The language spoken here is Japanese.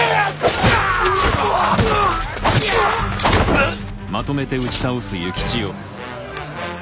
うっ！